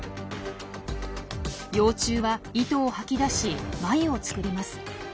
幼虫は糸を吐き出し繭を作ります。